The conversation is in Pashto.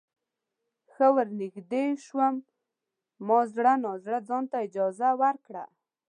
ښه ورنږدې شوم ما زړه نا زړه ځانته اجازه ورکړه.